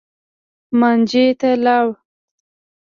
مانجې ته لاړ.